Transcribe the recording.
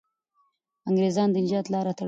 انګریزان د نجات لاره تړي.